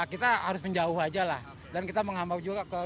kita harus menjauh saja lah dan kita menghimbau ke parat segera tangkap saja